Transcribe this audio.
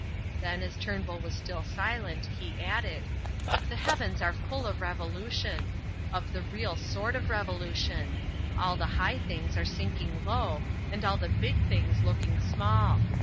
Then, as Turnbull was still silent, he added: "The heavens are full of revolution of the real sort of revolution. All the high things are sinking low and all the big things looking small.